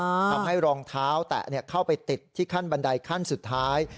ทำให้รองเท้าแตะเข้าไปติดที่ขั้นบันไดขั้นสุดท้าย